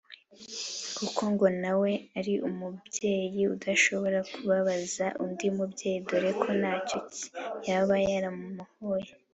kuko ngo na we ari umubyeyi udashobora kubabaza undi mubyeyi dore ko ntacyo yaba yaramuhoye